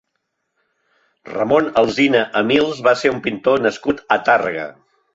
Ramon Alsina Amils va ser un pintor nascut a Tàrrega.